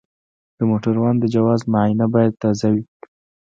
د موټروان د جواز معاینه باید تازه وي.